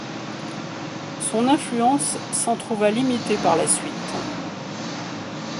Son influence s'en trouva limitée par la suite.